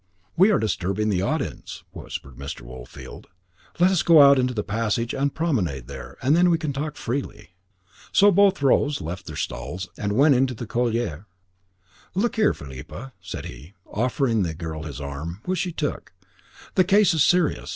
"We are disturbing the audience," whispered Mr. Woolfield. "Let us go out into the passage and promenade there, and then we can talk freely." So both rose, left their stalls, and went into the couloir. "Look here, Philippa," said he, offering the girl his arm, which she took, "the case is serious.